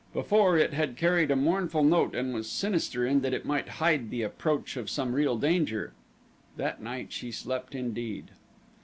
Before, it had carried a mournful note and was sinister in that it might hide the approach of some real danger. That night she slept indeed.